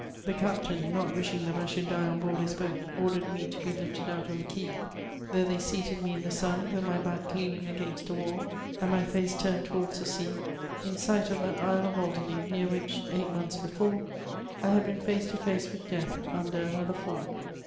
The captain, not wishing that I should die on douhI his boat, ordered me to be lifted out on the quay ; there they seated me in the sun, with my back leaning agunst a wall, and my face turned towards the sea, in fflght of that Isle of Aldemey, near which, eight months before, I had been £use to &ce with death, under another form.